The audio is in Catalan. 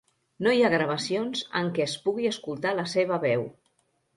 No hi ha gravacions en què es pugui escoltar la seva veu.